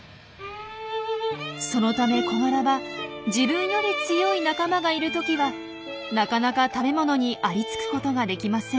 そのためコガラは自分より強い仲間がいるときはなかなか食べ物にありつくことができません。